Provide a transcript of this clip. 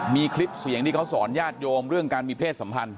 มีคลิปเสียงที่เขาสอนญาติโยมเรื่องการมีเพศสัมพันธ